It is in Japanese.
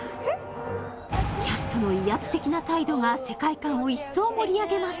キャストの威圧的な態度が世界観を一層盛り上げます